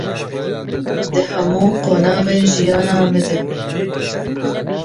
di hemû qonaxên jiyana me de.